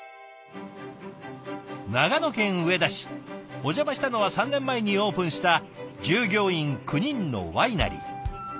お邪魔したのは３年前にオープンした従業員９人のワイナリー。